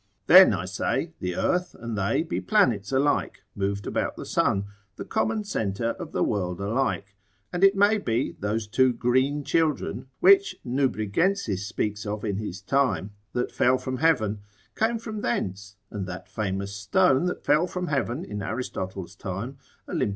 Then (I say) the earth and they be planets alike, moved about the sun, the common centre of the world alike, and it may be those two green children which Nubrigensis speaks of in his time, that fell from heaven, came from thence; and that famous stone that fell from heaven in Aristotle's time, olymp.